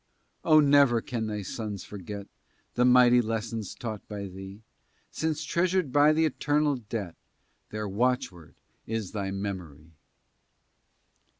O never can thy sons forget The mighty lessons taught by thee; Since treasured by the eternal debt Their watchword is thy memory!